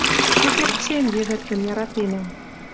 Шукердшен йӹвӹртӹн яратенӓм